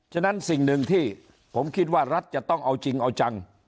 ฉะนั้นสิ่งหนึ่งที่ผมคิดว่ารัฐจะต้องเอาจริงเอาจัง